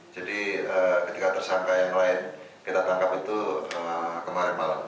ketika tersangka yang lain kita tangkap itu kemarin malam